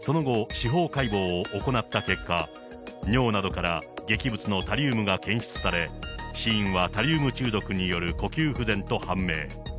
その後、司法解剖を行った結果、尿などから劇物のタリウムが検出され、死因はタリウム中毒による呼吸不全と判明。